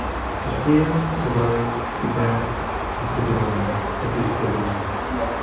To fear, to worry, to doubt, is to deny, to dis believe.